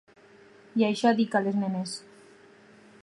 I això dic a les nenes.